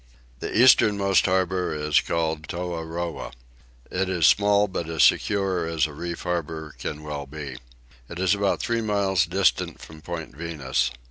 The easternmost harbour is called Toahroah. It is small but as secure as a reef harbour can well be. It is about three miles distant from Point Venus.